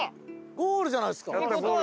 ゴールじゃないですか。